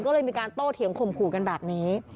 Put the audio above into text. ก็เลยมีการโต้เถียงข่มขู่กันแบบนี้